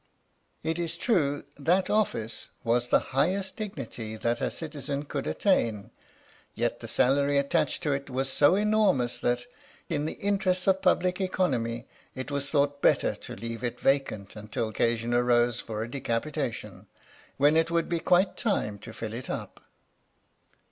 It is true that office was the highest dignity that a citizen could attain, yet the salary attached to it was so enormous that, in the interests of public economy, it was thought better to leave it vacant until occasion arose for a decapitation, when it would be quite time to fill it up.